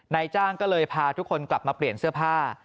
นายจ้างก็เลยพาทุกคนกลับมาเปลี่ยนเสื้อผ้า